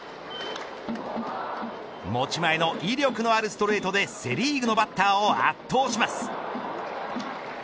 持ち前の威力のあるストレートでセ・リーグのバッターを圧倒します。